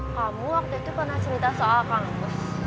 kamu waktu itu pernah cerita soal kang bus